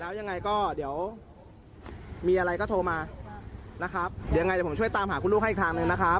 แล้วยังไงก็เดี๋ยวมีอะไรก็โทรมานะครับเดี๋ยวยังไงเดี๋ยวผมช่วยตามหาคุณลูกให้อีกทางหนึ่งนะครับ